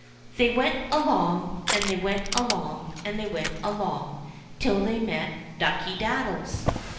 They went along, and they went along, and they went along, till they met Ducky daddies.